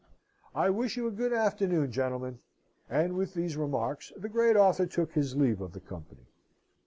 I wish you a good afternoon, gentlemen!" And with these remarks, the great author took his leave of the company.